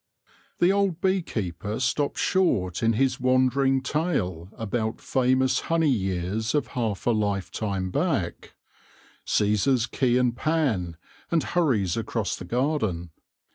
The old bee keeper stops short in his wandering tale about famous honey years of half a lifetime back, seizes key and pan, and hurries across the garden.